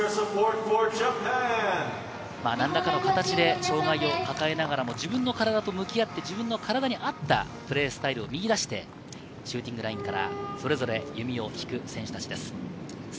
何らかの形で障がいを抱えながらも、自分の体と向き合って、自分の体に合ったプレースタイルを見いだして、シューティング台からそれぞれ弓を引く選手です。